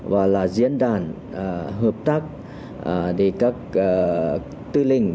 và là diễn đàn hợp tác để các tư lĩnh